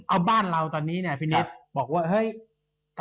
เอาบ้านเราตอนนี้นะพี่นิต